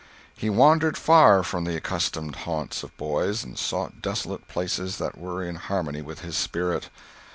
He wandered far from the accustomed haunts of boys, and sought desolate places that were in harmony with his spirit.